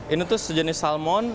ini tuh sejenis salmon